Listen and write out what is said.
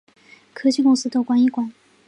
科技公司都关一关